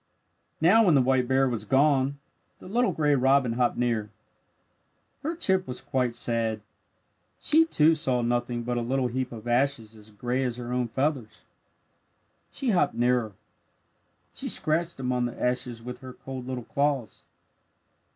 Now when the white bear was gone, the little gray robin hopped near. Her chirp was quite sad. She, too, saw nothing but a little heap of ashes as gray as her own feathers. She hopped nearer. She scratched among the ashes with her cold little claws.